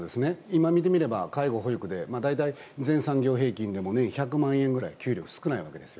今見てみると介護保育で全産業平均でも年１００万円ぐらい給料少ないわけです。